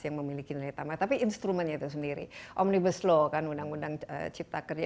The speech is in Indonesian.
yang memiliki nilai tambah tapi instrumennya itu sendiri omnibus law kan undang undang cipta kerja